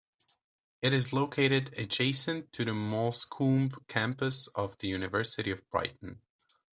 It is located adjacent to the Moulsecoomb campus of the University of Brighton.